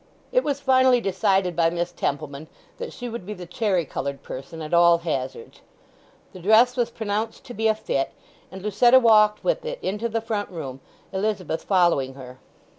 It was finally decided by Miss Templeman that she would be the cherry coloured person at all hazards. The dress was pronounced to be a fit, and Lucetta walked with it into the front room, Elizabeth following her.